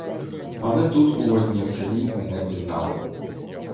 Але тут у однім селі мене пізнали.